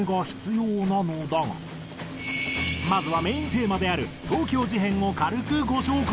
まずはメインテーマである東京事変を軽くご紹介。